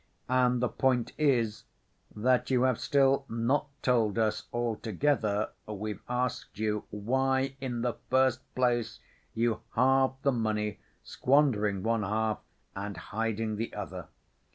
And the point is, that you have still not told us, altogether we've asked you, why, in the first place, you halved the money, squandering one half and hiding the other?